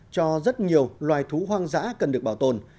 cho rất nhiều loài thú hoang dã cần được bảo tồn